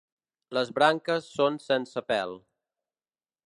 Les branques són sense pèl.